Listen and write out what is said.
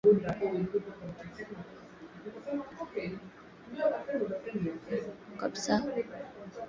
Anangusha makuta yote ile alipokea jana